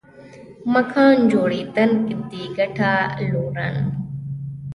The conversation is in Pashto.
مکان جوړېدنک دې ګټه لورن